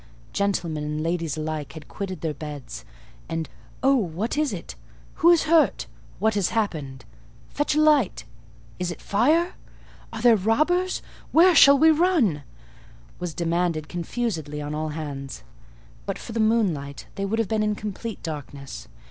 Gentlemen and ladies alike had quitted their beds; and "Oh! what is it?"—"Who is hurt?"—"What has happened?"—"Fetch a light!"—"Is it fire?"—"Are there robbers?"—"Where shall we run?" was demanded confusedly on all hands. But for the moonlight they would have been in complete darkness.